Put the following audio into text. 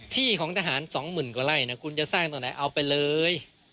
ที่ของทหาร๒๐๐๐กว่าไร่นะคุณจะสร้างตอนไหนเอาไปเลย